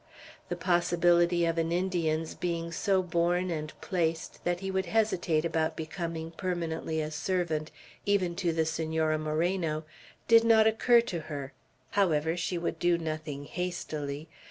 The possibility of an Indian's being so born and placed that he would hesitate about becoming permanently a servant even to the Senora Moreno, did not occur to her. However, she would do nothing hastily.